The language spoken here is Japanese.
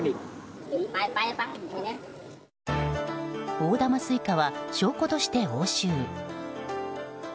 大玉スイカは証拠として押収。